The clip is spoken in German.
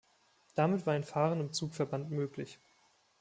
Damit war ein Fahren im Zugverband möglich.